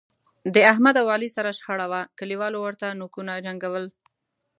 د احمد او علي سره شخړه وه، کلیوالو ورته نوکونو جنګول.